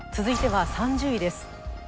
続いては３０位です